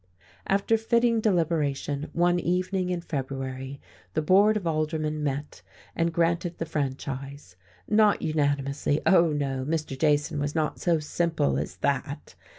After fitting deliberation, one evening in February the Board of Aldermen met and granted the franchise. Not unanimously, oh, no! Mr. Jason was not so simple as that!